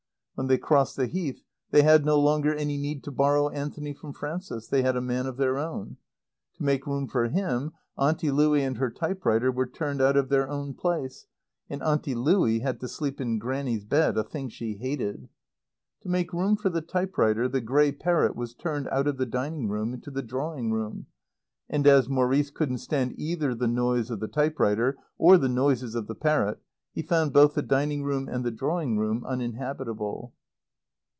When they crossed the Heath they had no longer any need to borrow Anthony from Frances; they had a man of their own. To make room for him Auntie Louie and her type writer were turned out of their own place, and Auntie Louie had to sleep in Grannie's bed, a thing she hated. To make room for the type writer the grey parrot was turned out of the dining room into the drawing room. And as Maurice couldn't stand either the noise of the type writer or the noises of the parrot he found both the dining room and the drawing room uninhabitable.